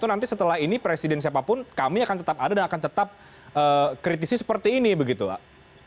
nanti setelah ini presiden siapapun kami akan tetap ada dan akan tetap kritisi seperti ini begitu pak